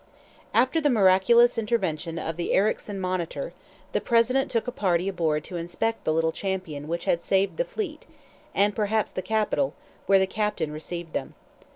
After the miraculous intervention of the Ericsson Monitor, the President took a party aboard to inspect the little champion which had saved the fleet and, perhaps, the capital, where the captain received them.